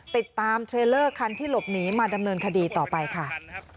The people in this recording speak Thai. ติดตามเทรลเลอร์คันที่หลบหนีมาดำเนินคดีต่อไปค่ะ